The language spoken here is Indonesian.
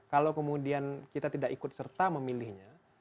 kalau kemudian kita tidak ikut serta memilihnya